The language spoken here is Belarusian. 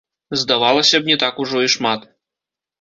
Здавалася б, не так ужо і шмат.